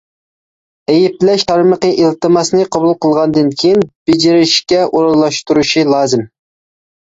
ئەيىبلەش تارمىقى ئىلتىماسنى قوبۇل قىلغاندىن كېيىن بېجىرىشكە ئورۇنلاشتۇرۇشى لازىم.